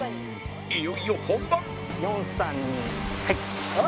いよいよ本番